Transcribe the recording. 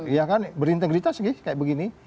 iya kan berintegritas kayak begini